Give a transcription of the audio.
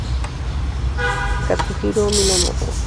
Katsuhiro Minamoto